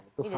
itu hak pdi